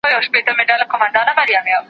جادوګر ویل زما سر ته دي امان وي